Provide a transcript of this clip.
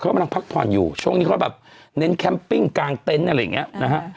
กำลังพักผ่อนอยู่ช่วงนี้เขาแบบเน้นแคมปิ้งกลางเต็นต์อะไรอย่างเงี้ยนะฮะ